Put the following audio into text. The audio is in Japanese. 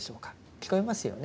聞こえますよね。